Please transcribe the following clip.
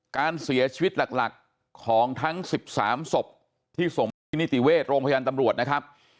การเสียชีวิตหลักของทั้ง๑๓ศพที่ส่งไปที่นิติเวชโรงพยาบาลตำรวจนะครับ